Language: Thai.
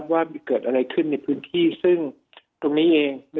ว่าเกิดอะไรขึ้นในพื้นที่ซึ่งตรงนี้เอง